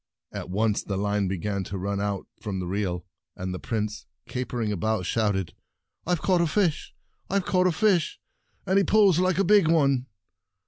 At once the line began to run out from the reel, and the Prince, capering about, shout ed : "I've caught a fish! IVe caught a fish— and he pulls like a big one